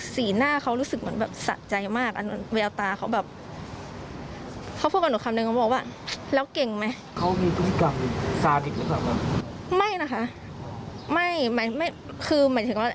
สีหน้าเขารู้สึกสะใจมากเวลาตาเขาแบบ